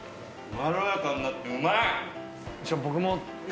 まろやかになってうまい。